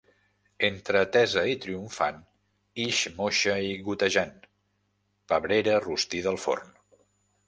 Entra tesa i triomfant, ix moixa i gotejant: pebrera rostida al forn.